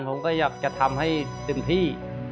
ผมก็อยากจะทำให้เต็มที่